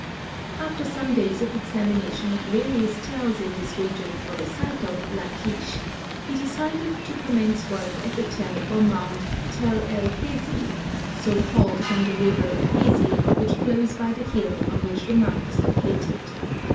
After some days of examination of various tels in this region for the site of Lachish, he decided to commence work at the tel or mound Tel el Hesy, so called from the river Hesy which flows by the hill on which the mound is located.